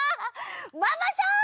ママさん！